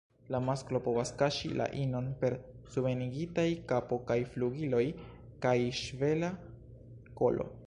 La masklo povas ĉasi la inon per subenigitaj kapo kaj flugiloj kaj ŝvela kolo.